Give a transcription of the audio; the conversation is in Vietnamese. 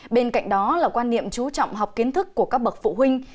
bên cạnh đó là quan niệm chú trọng học kiến thức của các bậc phụ huynh